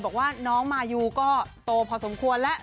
บอกว่าน้องมายูก็โตพอสมควรแล้ว